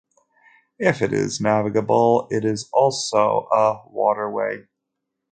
If it is navigable, it is also a "waterway".